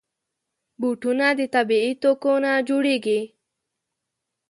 بوټونه د طبعي توکو نه جوړېږي.